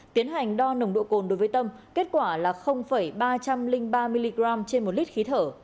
tiến hành đo nồng độ cồn đối với tâm kết quả là ba trăm linh ba mg trên một lít khí thở